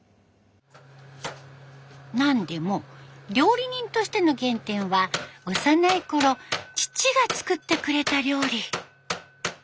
なんでも料理人としての原点は幼いころ父が作ってくれた料理。